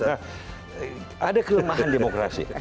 nah ada kelemahan demokrasi